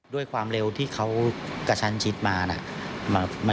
ด้วยความเร็วที่เขากับฉันชิดมานะ